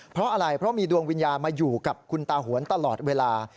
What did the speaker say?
เพราะอะไรเพราะมีดวงวิญญาณมาอยู่กับคุณตาหวนตลอดเวลา